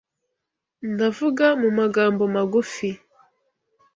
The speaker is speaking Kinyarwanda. Ndavuga mu magambo magufi